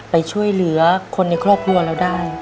ไปช่วยเหลือคนในครอบครัว